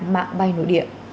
mạng bay nội địa